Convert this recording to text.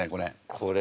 これ。